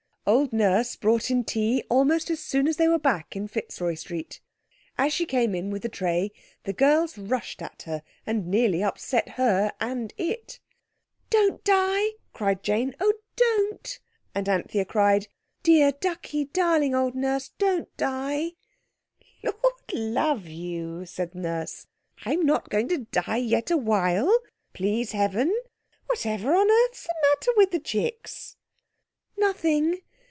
Old Nurse brought in tea almost as soon as they were back in Fitzroy Street. As she came in with the tray, the girls rushed at her and nearly upset her and it. "Don't die!" cried Jane, "oh, don't!" and Anthea cried, "Dear, ducky, darling old Nurse, don't die!" "Lord, love you!" said Nurse, "I'm not agoin' to die yet a while, please Heaven! Whatever on earth's the matter with the chicks?" "Nothing.